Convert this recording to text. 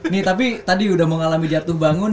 nih tapi tadi udah mengalami jatuh bangun